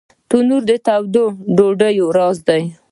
تنور د تودو ډوډیو راز لري